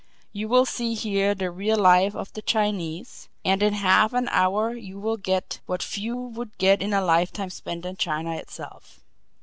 You will see here the real life of the Chinese, and in half an hour you will get what few would get in a lifetime spent in China itself.